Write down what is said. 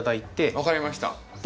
分かりました。